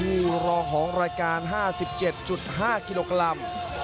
รองของรายการ๕๗๕กิโลกรัม